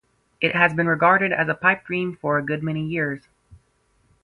It has been regarded as a pipe-dream for a good many years.